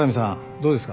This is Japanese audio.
どうですか？